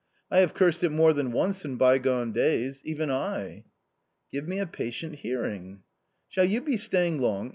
I have cursed it more than once in bygone days — even I !"" Give me a patient hearing." " Shall you be staying long